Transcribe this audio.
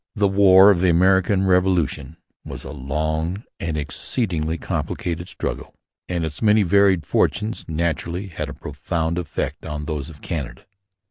The War of the American Revolution was a long and exceedingly complicated struggle; and its many varied fortunes naturally had a profound effect on those of Canada.